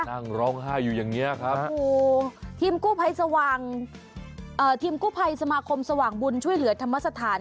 น่างร้องฮ่าอยู่อย่างเงี้ยครับโอ้โหทีมกู้ภัยสมาคมสว่างบุญช่วยเหลือธรรมสถาน